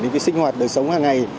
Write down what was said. đến cái sinh hoạt đời sống hàng ngày